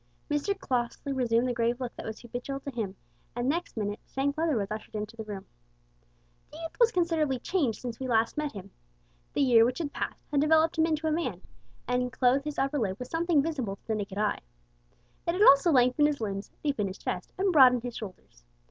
Mr Crossley resumed the grave look that was habitual to hint and next minute Shank Leather was ushered into the room. The youth was considerably changed since we last met him. The year which had passed had developed him into a man, and clothed his upper lip with something visible to the naked eye. It had also lengthened his limbs, deepened his chest, and broadened his shoulders.